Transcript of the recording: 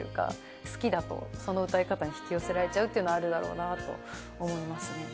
好きだとその歌い方に引き寄せられちゃうってあるだろうなと思いますね。